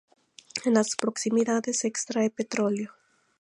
En las proximidades se extrae petróleo.